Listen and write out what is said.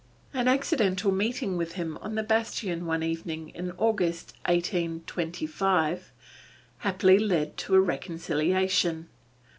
An accidental meeting with him on the bastion one evening in August of 1825, happily led to a reconciliation.